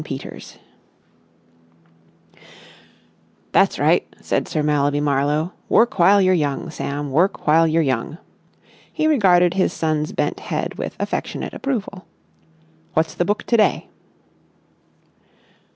PETERS "That's right!" said Sir Mallaby Marlowe. "Work while you're young, Sam, work while you're young." He regarded his son's bent head with affectionate approval. "What's the book to day?"